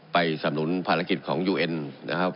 สำนุนภารกิจของยูเอ็นนะครับ